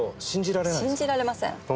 信じられません。